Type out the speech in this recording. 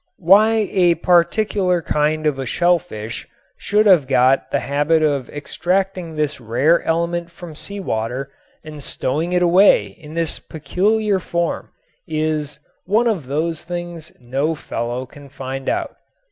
Why a particular kind of a shellfish should have got the habit of extracting this rare element from sea water and stowing it away in this peculiar form is "one of those things no fellow can find out."